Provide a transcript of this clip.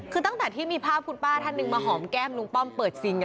คือตั้งแต่ที่มีภาพคุณป้าท่านหนึ่งมาหอมแก้มลุงป้อมเปิดซิง